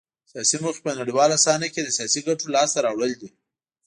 سیاسي موخې په نړیواله صحنه کې د سیاسي ګټو لاسته راوړل دي